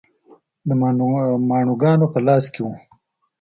د ماڼوګانو په لاس کې و.